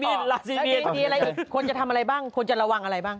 เดี๋ยวอะไรอีกคนจะทำอะไรบ้างคนจะระวังอะไรบ้าง